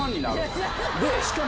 でしかも。